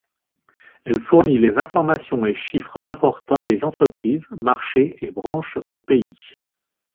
Elle fournit les informations et chiffres importants des entreprises, marchés et branches au pays.